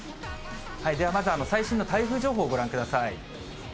ではまず、最新の台風情報、ご覧ください。